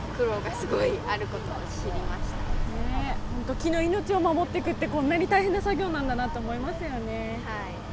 木の命を守ってくって、こんなに大変な作業なんだと思いますよね。